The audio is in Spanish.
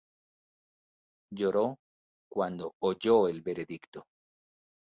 Lloró cuando oyó el veredicto.